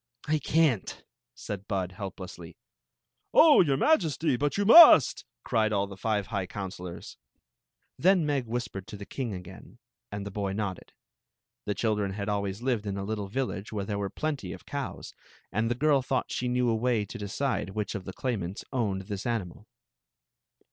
" I can t, " said Bud, helplessly. "Oh, your Majerty, \m you must!" cried aU ^e live hi|^ fnimmiiiri Thm wh^r^ to the king again, and the hof fio^ieif. The children had always lived in a litde village where there were plenty of cows, and the girl thought she knew a way to decide wluc^ ^ liie ciitmants owned this ^tmal.